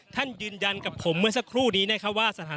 ท่านยืนยันกับผมเมื่อสักครู่นี้นะครับว่าสถาน